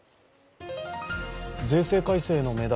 税制改正の目玉